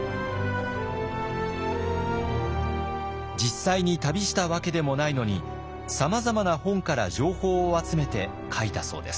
実際に旅したわけでもないのにさまざまな本から情報を集めて書いたそうです。